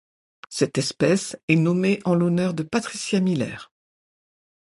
Cette espèce est nommée en l'honneur de Patricia Miller.